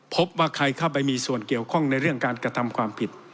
พบว่าใครเข้าไปมีส่วนเกี่ยวข้องในเรื่องการกระทำความผิด